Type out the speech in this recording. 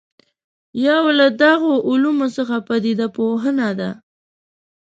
یو له دغو علومو څخه پدیده پوهنه ده.